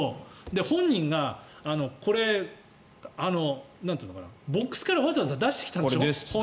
本人がこれ、ボックスからわざわざ出してきたわけでしょ。